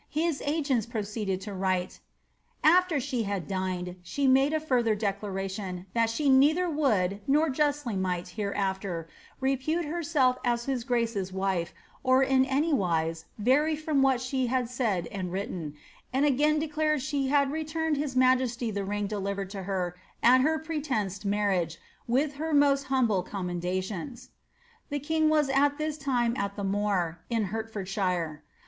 His agenUi proceeded to write :— *'AAer slie had dined, she made a further declaration, that she neither would, Bor justly might, hereaAer, repute ber:f^elf a^i his grace's wife, or in anywise vary from what slie had said and written; and again declared she had returned his miyesty the ring delivered to her at her preteitced marriage, with her most humble Ooamendations/' The king was at this time at the More, in Hertfordshire.